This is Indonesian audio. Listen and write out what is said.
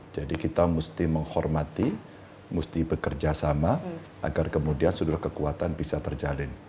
jadi kita mesti menghormati mesti bekerjasama agar kemudian sudut kekuatan bisa terjalin